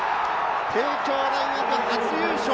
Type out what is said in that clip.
帝京大学初優勝！